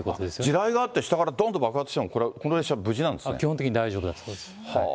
地雷があって下からどんと爆発しても、この列車は無事なんで基本的に大丈夫だそうです。